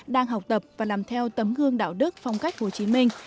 đang học tập và làm theo tấm gương đạo đức phong cách hồ chí minh